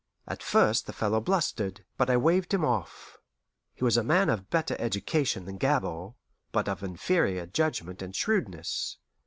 At first the fellow blustered, but I waved him off. He was a man of better education than Gabord, but of inferior judgment and shrewdness.